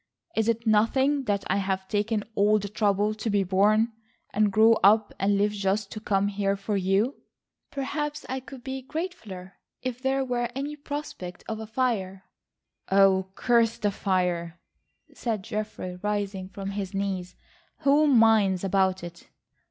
Is it nothing that I have taken all the trouble to be born and grow up and live just to come here for you?" "Perhaps I could be gratefuller if there were any prospect of a fire." "Oh, curse the fire," said Geoffrey rising from his knees. "Who minds about it?"